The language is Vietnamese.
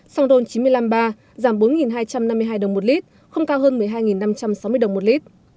xăng ron chín trăm năm mươi ba giảm bốn hai trăm năm mươi hai đồng một lít không cao hơn một mươi hai năm trăm sáu mươi đồng một lít